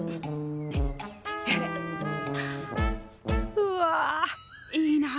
うわいいな！